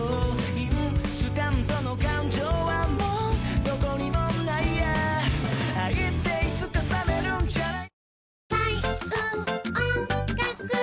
インスタントの感情はもう何処にもないや「愛っていつか冷めるんじゃない？」